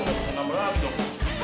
udah bisa nama lagi dong